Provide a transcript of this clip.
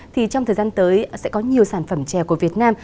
thì trong thời gian tới sẽ có nhiều sản phẩm chè của việt nam